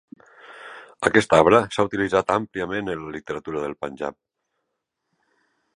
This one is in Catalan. Aquest arbre s'ha utilitzat àmpliament en la literatura del Panjab.